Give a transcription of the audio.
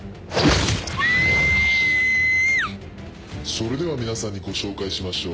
それでは皆さんにご紹介しましょう。